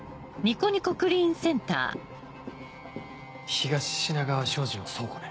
東品川商事の倉庫ね。